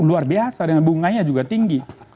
luar biasa dengan bunganya juga tinggi